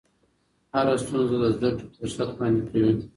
هره ستونزه د زده کړې فرصت وړاندې کوي.